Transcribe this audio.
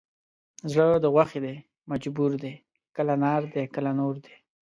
زړه د غوښې دی مجبور دی کله نار دی کله نور دی